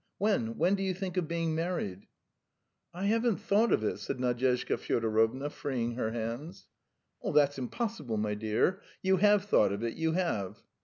When, when do you think of being married?" "I haven't thought of it," said Nadyezhda Fyodorovna, freeing her hands. "That's impossible, my dear. You have thought of it, you have."